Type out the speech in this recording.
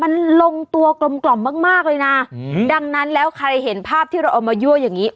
มันลงตัวกลมกล่อมมากมากเลยนะดังนั้นแล้วใครเห็นภาพที่เราเอามายั่วอย่างนี้